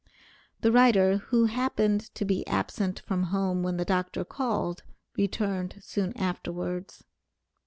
The writer, who happened to be absent from home when the Dr. called, returned soon afterwards.